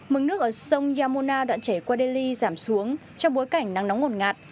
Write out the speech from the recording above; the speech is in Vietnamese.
mức nước ở sông yamuna đoạn chảy qua delhi giảm xuống trong bối cảnh nắng nóng ngột ngạt